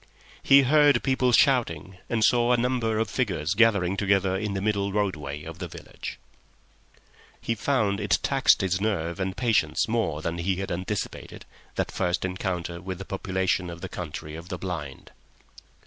He heard people shouting, and saw a number of figures gathering together in the middle roadway of the village. He found it tax his nerve and patience more than he had anticipated, that first encounter with the population of the Country of the Blind.